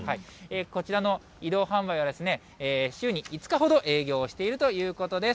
こちらの移動販売は、週に５日ほど営業しているということです。